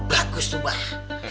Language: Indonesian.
bagus tuh bang